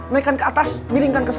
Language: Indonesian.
naikkan ke atas miringkan ke sana